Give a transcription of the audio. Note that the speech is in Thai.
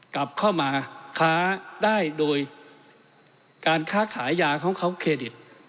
กลับเข้ามาค้าได้โดยการค้าขายยาของเขาเครดิต